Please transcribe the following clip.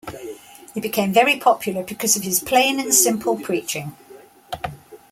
He became very popular because of his plain and simple preaching.